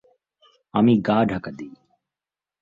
আমি গা ঢাকা দেই।